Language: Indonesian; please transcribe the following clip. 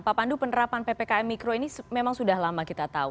pak pandu penerapan ppkm mikro ini memang sudah lama kita tahu